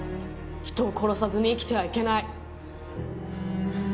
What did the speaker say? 人を殺さずに生きてはいけない。